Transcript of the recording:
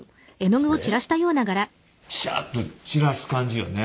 シャッと散らす感じよね。